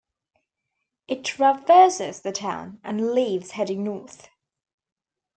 It traverses the town, and leaves heading north.